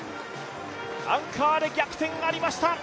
アンカーで逆転がありました。